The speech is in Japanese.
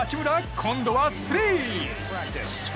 今度はスリー！